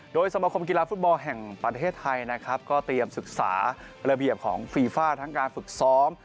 โดยสมคมกีฬาฟุตบอลแห่งประเทศไทยนะครับก็เตรียมศึกษาระเบียบของฟีฟ่าทั้งการฝึกซ้อม